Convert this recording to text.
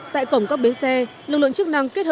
tại cổng các bến xe